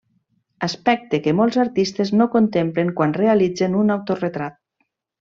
Aspecte que molts artistes no contemplen quan realitzen un autoretrat.